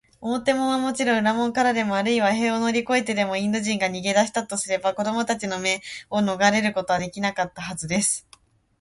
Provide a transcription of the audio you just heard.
表門はもちろん、裏門からでも、あるいは塀を乗りこえてでも、インド人が逃げだしたとすれば、子どもたちの目をのがれることはできなかったはずです。